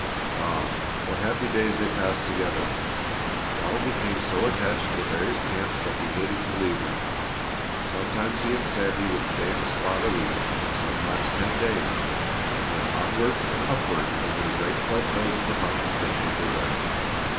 Ah, what happy days they passed together! Donald became so attached to the various camps that he hated to leave them. Sometimes he and Sandy would stay in a spot a week, sometimes ten days; then onward and upward over the great plateaus of the mountains they made their way.